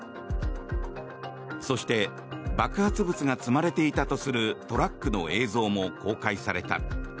そして爆発物が積まれていたとするトラックの映像も公開された。